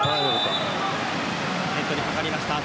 ネットにかかりました。